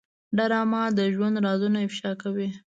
ډرامه د ژوند رازونه افشا کوي